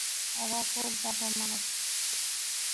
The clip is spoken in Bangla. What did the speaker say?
এরা খুব ভালো মানুষ।